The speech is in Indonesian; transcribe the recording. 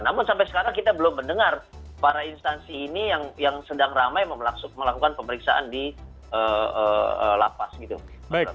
namun sampai sekarang kita belum mendengar para instansi ini yang sedang ramai melakukan pemeriksaan di lapas gitu